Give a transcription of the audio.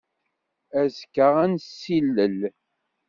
Azekka ad nessilel.